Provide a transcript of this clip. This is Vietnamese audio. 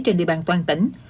trên địa bàn toàn tỉnh